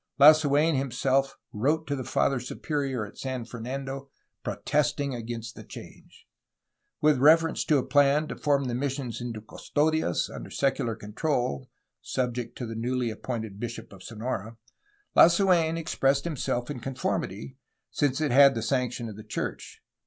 Lasuen himself wrote to the Father Superior of San Fernando protesting against the change. With reference to a plan to form the missions into custodias under secular control (subject to the newly appointed bishop of Sonora), Lasuen expressed him self in conformity, since it had the sanction of the church.